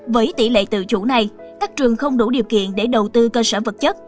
với tỷ lệ tự chủ này các trường không đủ điều kiện để đầu tư cơ sở vật chất